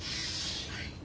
はい。